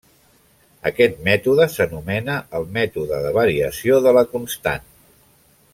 Aquest mètode s'anomena el mètode de variació de la constant.